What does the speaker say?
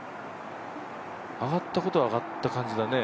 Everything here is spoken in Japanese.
上がったことは上がった感じだね。